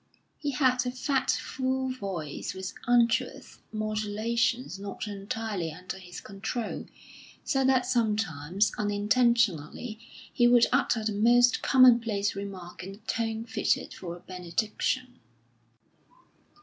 He had a fat, full voice, with unctuous modulations not entirely under his control, so that sometimes, unintentionally, he would utter the most commonplace remark in a tone fitted for a benediction.